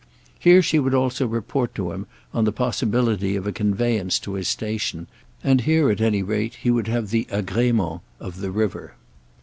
Here she would also report to him on the possibility of a conveyance to his station, and here at any rate he would have the agrément of the river.